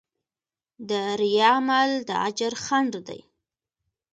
د ریا عمل د اجر خنډ دی.